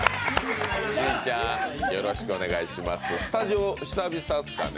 スタジオ、久々ですかね。